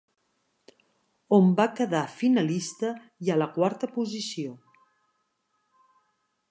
On va quedar finalista i a la quarta posició.